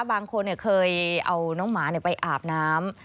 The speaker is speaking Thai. บางคนเคยเอาน้องหมาไปอาบน้ำ